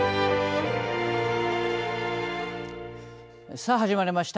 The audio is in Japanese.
さあ、始まりました。